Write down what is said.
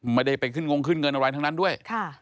ไม่ได้ไปขึ้นงงขึ้นเงินอะไรทั้งนั้นด้วย